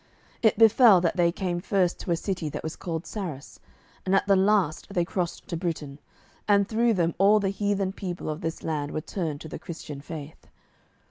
It befell that they came first to a city that was called Sarras, and at the last they crossed to Britain, and through them all the heathen people of this land were turned to the Christian faith.